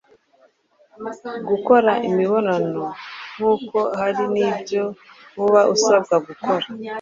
gukora imibonano nkuko hari n’ibyo uba usabwa gukora.